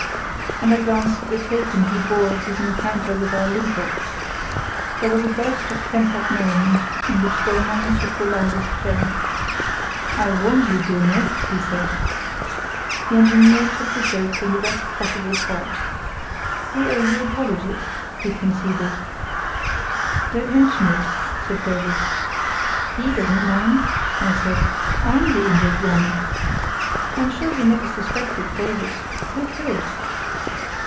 And I glanced at the token he bore of his encounter with our lintel. There was a burst of pent up merriment, in which Dollmann took the loudest share. "I warned you, Böhme," he said. The engineer took the joke in the best possible part. "We owe you apologies," he conceded. "Don't mention it," said Davies. "He doesn't mind," I said; "I'm the injured one. I'm sure you never suspected Davies, who could?"